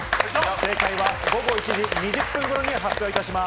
正解は午後１時２０分頃に発表します。